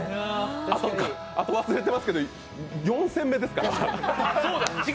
あと忘れてますけど４戦目ですから。